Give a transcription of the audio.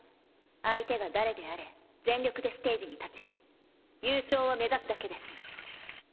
相手が誰であれ全力でステージに立ち優勝を目指すだけです。